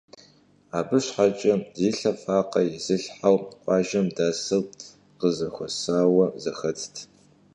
Абы щхьэкӀэ зи лъэ вакъэ изылъхьэу къуажэм дэсыр къызэхуэсауэ зэхэтт.